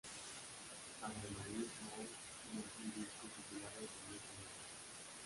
Adrenaline Mob lanzó un disco titulado con dicho nombre.